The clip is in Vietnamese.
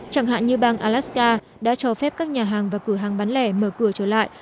chẳng hạn như bang alaska đã cho phép các nhà hàng và cửa hàng bán lẻ mở cửa trở lại